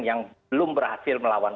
yang belum berhasil melawan